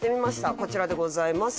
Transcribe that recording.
こちらでございます。